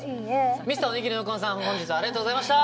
Ｍｒ．おにぎりの右近さん本日はありがとうございました。